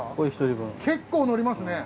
結構のりますね。